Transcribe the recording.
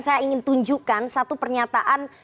saya ingin tunjukkan satu pernyataan